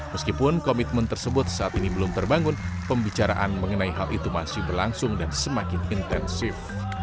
meskipun komitmen tersebut saat ini belum terbangun pembicaraan mengenai hal itu masih berlangsung dan semakin intensif